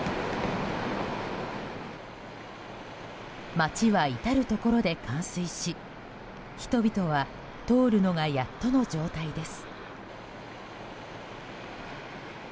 街は至るところで冠水し人々は通るのがやっとの状態です。